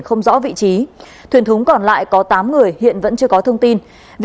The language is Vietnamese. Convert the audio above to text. không rõ vị trí thuyền thúng còn lại có tám người hiện vẫn chưa có thông tin về